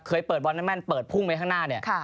เคยเปิดบอลแม่นเปิดพุ่งไปข้างหน้าเนี่ย